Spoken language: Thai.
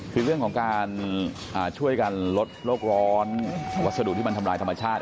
คือเรื่องของการช่วยกันลดโลกร้อนวัสดุที่มันทำลายธรรมชาติ